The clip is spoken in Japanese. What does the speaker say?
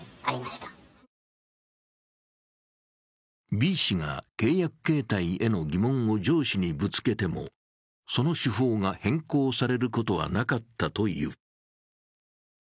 Ｂ氏が契約形態への疑問を上司にぶつけても、その手法が変更されることはなかったという。